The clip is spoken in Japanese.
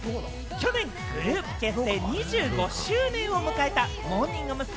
去年グループ結成２５周年を迎えたモーニング娘。